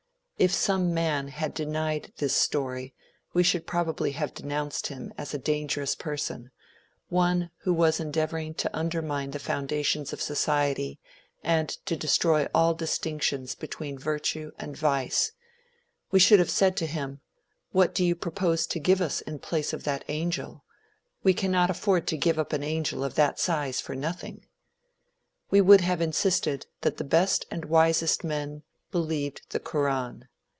If some man had denied this story we should probably have denounced him as a dangerous person, one who was endeavoring to undermine the foundations of society, and to destroy all distinction between virtue and vice. We should have said to him, "What do you propose to give us in place of that angel? We cannot afford to give up an angel of that size for nothing." We would have insisted that the best and wisest men believed the Koran.